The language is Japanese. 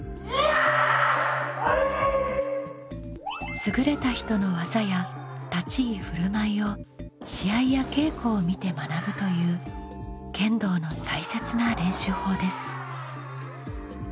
優れた人の技や立ち居振る舞いを試合や稽古を見て学ぶという剣道の大切な練習法です。